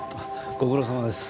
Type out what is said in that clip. ご苦労さまです。